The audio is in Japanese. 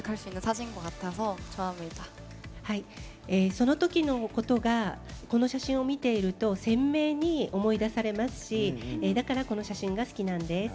そのときのことがこの写真を見ていると鮮明に思い出されますしだから、この写真が好きなんです。